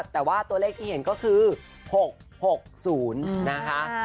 แต่ว่าตัวเลขที่เห็นก็คือ๖๖๐นะคะ